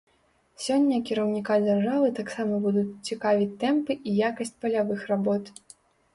Сёння кіраўніка дзяржавы таксама будуць цікавіць тэмпы і якасць палявых работ.